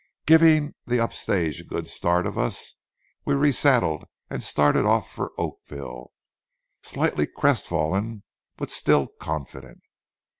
Giving the up stage a good start of us, we resaddled and started for Oakville, slightly crestfallen but still confident.